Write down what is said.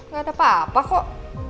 gak ada apa apa kok